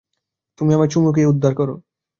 তুমি আমায় চুমু খেয়ে উদ্ধার করো।